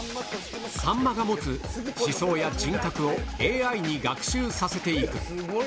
さんまが持つ思想や人格をＡＩに学習させていく。